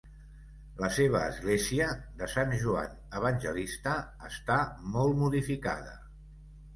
La seva església de Sant Joan Evangelista està molt modificada.